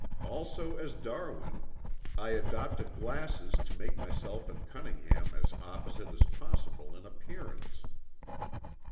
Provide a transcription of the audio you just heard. Also as Darwin, I adopted glasses to make myself and Cunningham as opposite as possible in appearance.